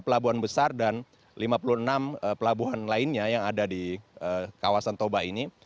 empat pelabuhan besar dan lima puluh enam pelabuhan lainnya yang ada di kawasan toba ini